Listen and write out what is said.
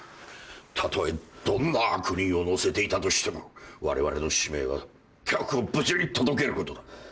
たとえどんな悪人を乗せていたとしてもわれわれの使命は客を無事に届けることだ。